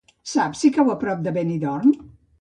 Saps si cau a prop de Benidorm?